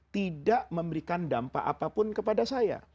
tidak memberikan dampak apapun kepada saya